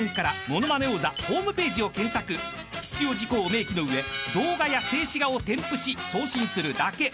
［必要事項を明記の上動画や静止画を添付し送信するだけ］